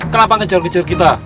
kenapa ngejar kejar kita